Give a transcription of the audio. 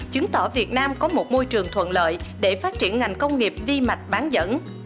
chứng tỏ việt nam có một môi trường thuận lợi để phát triển ngành công nghiệp vi mạch bán dẫn